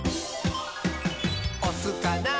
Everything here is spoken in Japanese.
「おすかな？